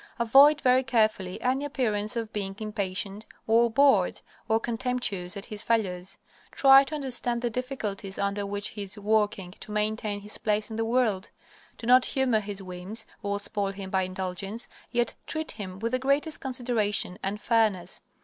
Avoid very carefully any appearance of being impatient, or bored, or contemptuous at his failures. Try to understand the difficulties under which he is working to maintain his place in the world. Do not humor his whims, or spoil him by indulgence, yet treat him with the greatest consideration and fairness.